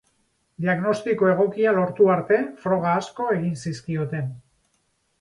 Diagnostiko egokia lortu arte, froga asko egin zizkioten.